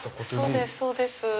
そうですそうです。